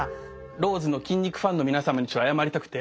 ローズの筋肉ファンの皆様にちょっと謝りたくて。